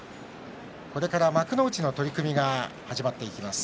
これから幕内の取組が始まります。